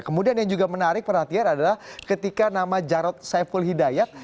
kemudian yang juga menarik perhatian adalah ketika nama jarod saiful hidayat